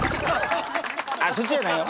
あっそっちじゃないの？